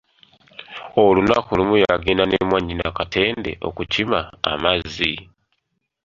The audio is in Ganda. Olunaku lumu yagenda ne mwanyina Katende okukima amazzi.